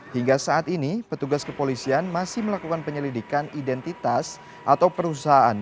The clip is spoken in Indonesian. hingga saat ini petugas kepolisian masih melakukan penyelidikan identitas atau perusahaan